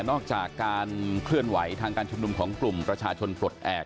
นอกจากการเคลื่อนไหวทางการชุมนุมของกลุ่มประชาชนปลดแอบ